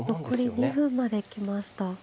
残り２分まで来ました。